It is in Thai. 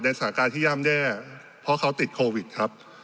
ในสถาการณ์ที่ย่ามแน่เพราะเขาติดครับ